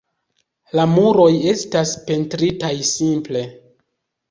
La muroj estas pentritaj simple.